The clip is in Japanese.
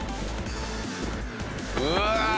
うわ！